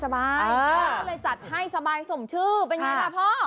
ต้องหลายจัดให้สมชื่อเป็นยังไงถ้าเพราะ